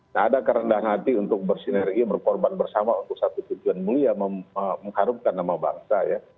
tak ada kerendahan hati untuk bersinergi berkorban bersama untuk satu tujuan mulia mengharumkan nama bangsa ya